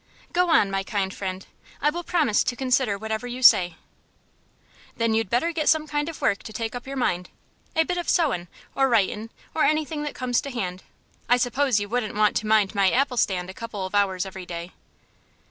"Go on, my kind friend. I will promise to consider whatever you say." "Then you'd better get some kind of work to take up your mind a bit of sewin', or writin', or anything that comes to hand. I suppose you wouldn't want to mind my apple stand a couple of hours every day?"